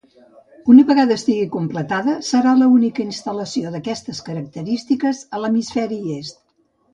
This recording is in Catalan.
Una vegada estigui completada, serà la única instal·lació d'aquestes característiques a l'hemisferi est.